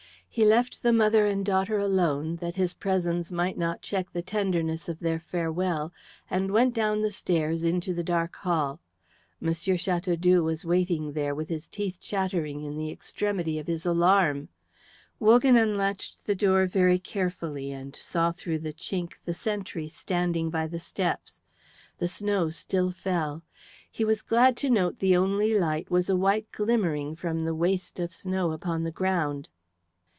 He left the mother and daughter alone, that his presence might not check the tenderness of their farewell, and went down the stairs into the dark hall. M. Chateaudoux was waiting there, with his teeth chattering in the extremity of his alarm. Wogan unlatched the door very carefully and saw through the chink the sentry standing by the steps. The snow still fell; he was glad to note the only light was a white glimmering from the waste of snow upon the ground.